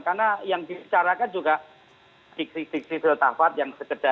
karena yang dicarakan juga di kritik kritik sifil tafat yang sekedar sok sok menjadikan pencerahan